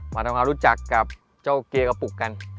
ทำความรู้จักกับเจ้าเกียร์กระปุกกัน